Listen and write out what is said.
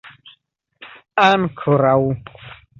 ankoraŭ